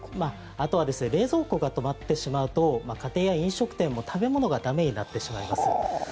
あとは冷蔵庫が止まってしまうと家庭や飲食店も食べ物が駄目になってしまいます。